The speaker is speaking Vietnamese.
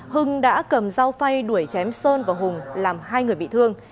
hưng đã cầm dao phay đuổi chém sơn và hùng làm hai người bị thương